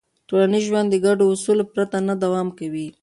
ټولنیز ژوند د ګډو اصولو پرته نه دوام کوي.